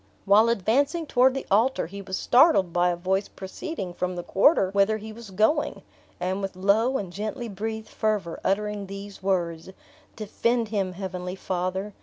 While advancing toward the altar, he was startled by a voice proceeding from the quarter whither he was going, and with low and gently breathed fervor, uttering these words: "Defend him, Heavenly Father!